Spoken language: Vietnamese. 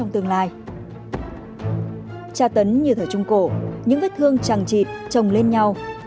trả tấn như thở trung cổ những vết thương chẳng chịp trồng lên nhau